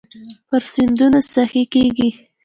پر سیندونو سخي کیږې